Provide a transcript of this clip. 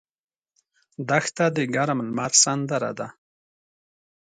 دښته د ګرم لمر سندره ده.